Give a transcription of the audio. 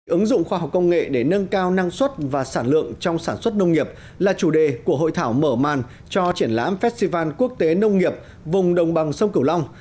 ứng dụng khoa học công nghệ để nâng cao năng suất và sản lượng trong sản xuất nông nghiệp là chủ đề của hội thảo mở màn cho triển lãm festival quốc tế nông nghiệp vùng đồng bằng sông cửu long